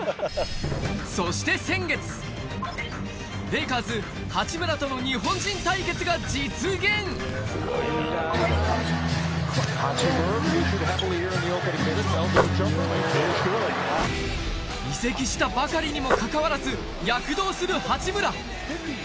そしてレイカーズ・八村とのが実現移籍したばかりにもかかわらず躍動する八村